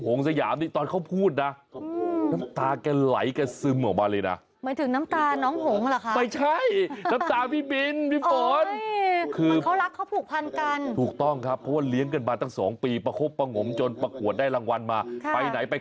โอ้นี่เดี๋ยวเห็นเมื่อกี้เห็นหยดน้ำตา